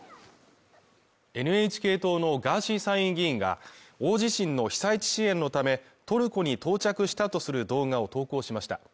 ＮＨＫ党のガーシー参院議員が大地震の被災地支援のためトルコに到着したとする動画を投稿しました。